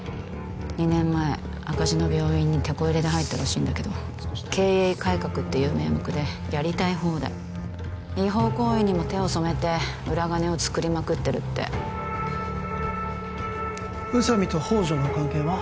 ２年前赤字の病院にテコ入れで入ったらしいんだけど経営改革っていう名目でやりたい放題違法行為にも手を染めて裏金を作りまくってるって宇佐美と宝条の関係は？